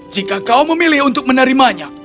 jika kau memilih untuk menerimanya